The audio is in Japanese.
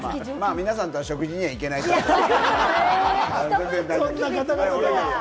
皆さんとは食事に行けないってことで。